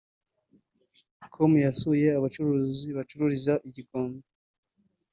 com yasuye abacuruzi bacururiza i Gikondo